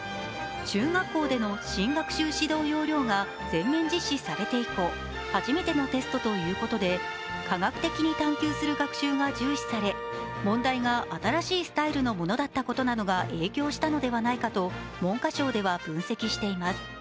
全面実施されて以降、初めてのテストということで「科学的に探究する学習」が重視され問題が新しいスタイルのものだったことなどが影響したのではないかと文科省では分析しています。